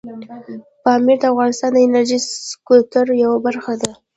پامیر د افغانستان د انرژۍ سکتور یوه برخه ده.